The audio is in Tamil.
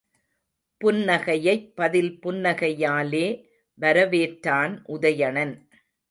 புன்னகையைப் பதில் புன்னகையாலே வரவேற்றான் உதயணன்.